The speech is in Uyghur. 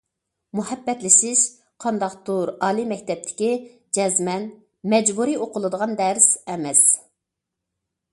مۇھەببەتلىشىش قانداقتۇر ئالىي مەكتەپتىكى جەزمەن« مەجبۇرىي ئوقۇلىدىغان دەرس» ئەمەس.